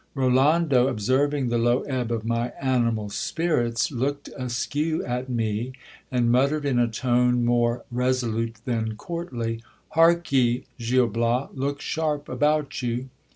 Rolando, observing the low ebb of my animal spirits, looked askew at me, and muttered in a tone more resolute than courtly : Hark ye ! Gil Bias, look sharp about you